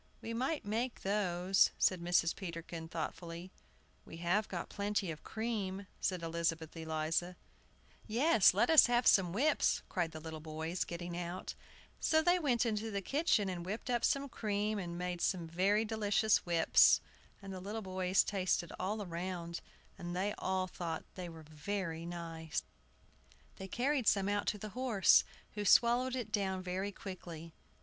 "We might make those," said Mrs. Peterkin, thoughtfully. "We have got plenty of cream," said Elizabeth Eliza. "Yes, let us have some whips," cried the little boys, getting out. And the opposite neighbor cried out something about whips; and the wind was very high. So they went into the kitchen, and whipped up the cream, and made some very delicious whips; and the little boys tasted all round, and they all thought they were very nice. They carried some out to the horse, who swallowed it down very quickly.